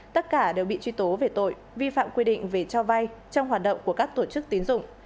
tất cả đều bị truy tố về tội vi phạm quy định về cho vay trong hoạt động của các tổ chức tín dụng